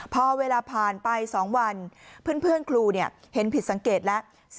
พอเวลาผ่านไป๒วันเพื่อนครูเห็นผิดสังเกตแล้ว